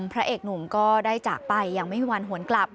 พระเอกหนุ่มก็ได้จากไปอย่างไม่มีวันหวนกลับ